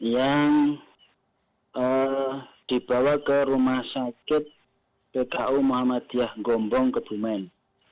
yang dibawa ke rumah sakit pku muhammadiyah gombong kebumen